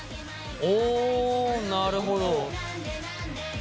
おなるほど。